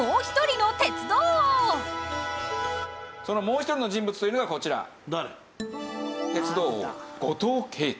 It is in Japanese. そのもう一人の人物というのがこちら。